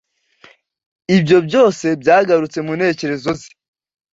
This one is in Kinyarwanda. ibyo byose byagarutse mu ntekerezo ze